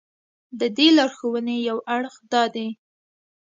د دې لارښوونې یو اړخ دا دی.